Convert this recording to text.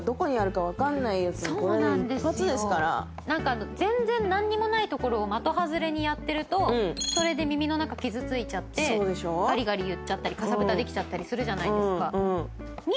なんか全然なんにもない所を的外れにやってるとそれで耳の中傷ついちゃってガリガリいっちゃったりカサブタできちゃったりするじゃないですか。